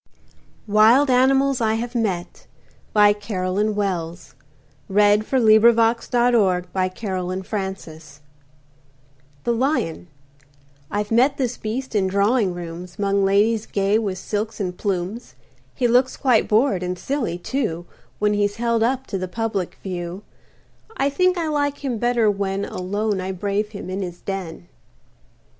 WILD ANIMALS I HAVE MET BY CAROLYN WELLS THE LION I've met this beast in drawing rooms, 'Mong ladies gay with silks and plumes. He looks quite bored, and silly, too, When he's held up to public view. I think I like him better when Alone I brave him in his den.